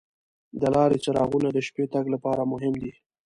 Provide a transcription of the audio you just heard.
د لارې څراغونه د شپې تګ لپاره مهم دي.